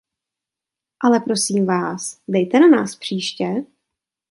Ale prosím vás, dejte na nás příště.